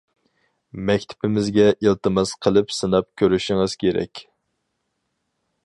مەكتىپىمىزگە ئىلتىماس قىلىپ سىناپ كۆرۈشىڭىز كېرەك.